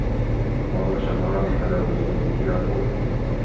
مضى شهران على وصولي إلى طوكيو.